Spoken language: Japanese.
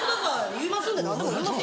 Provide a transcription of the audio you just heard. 言いますんで何でも言います。